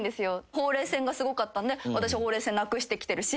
ほうれい線がすごかったんで私ほうれい線なくしてきてるし。